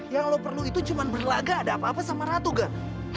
yang lo perlu itu cuma berlaga ada apa apa sama ratu kan